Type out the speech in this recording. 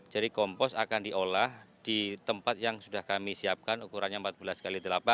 jadi kompos akan diolah di tempat yang sudah kami siapkan ukurannya empat belas x delapan